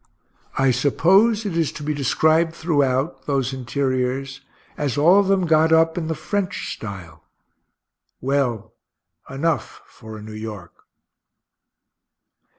I suppose it is to be described throughout those interiors as all of them got up in the French style well, enough for a New York.